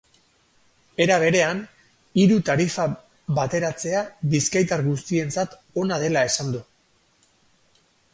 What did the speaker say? Era berean, hiru tarifa bateratzea bizkaitar guztientzat ona dela esan du.